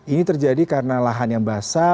ini terjadi karena lahan yang basah